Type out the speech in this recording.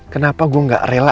kenapa gue gak rela